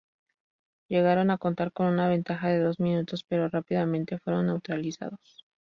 Llegaron a contar con una ventaja de dos minutos, pero rápidamente fueron neutralizados.